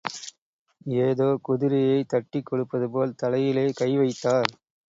ஏதோ குதிரையைத் தட்டிக் கொடுப்பதுபோல் தலையிலே கைவைத்தார்.